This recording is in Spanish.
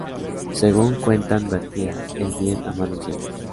Según cuentan vertía el bien a manos llenas.